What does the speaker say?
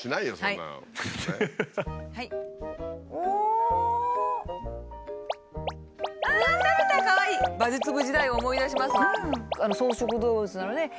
馬術部時代を思い出します。